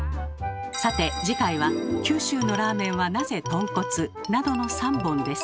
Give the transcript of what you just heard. さて次回は「九州のラーメンはなぜとんこつ？」などの３本です。